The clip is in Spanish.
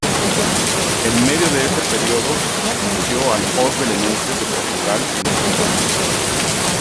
En medio de ese periodo, dirigió al Os Belenenses de Portugal en dos etapas.